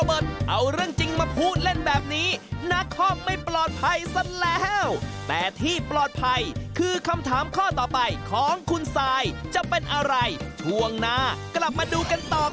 ก็หาเงินมาเช่าห้องให้เด็กอยู่